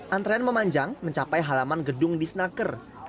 antrian memanjang mencapai halaman gedung di senaker